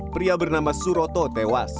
pria bernama suroto tewas